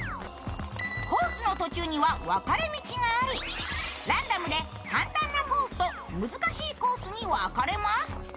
コースの途中には別れ道がありランダムで簡単なコースと難しいコースに分かれます。